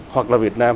hoặc là việt nam